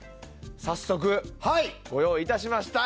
早速ご用意いたしました。